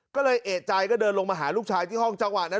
ก็เลยเอกใจก็เดินลงมาหาลูกชายที่ห้องจังหวะนั้น